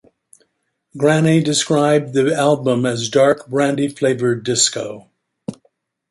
Graney described the album as "dark, brandy flavoured, disco".